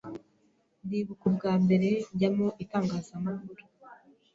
ndibuk ubwa mbere njya mu itangazamakuru